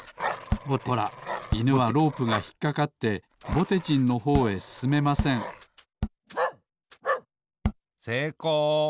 ほらいぬはロープがひっかかってぼてじんのほうへすすめませんせいこう。